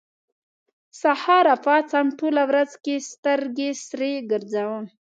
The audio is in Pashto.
سهار راپاڅم، ټوله ورځ کې سترګې سرې ګرځوم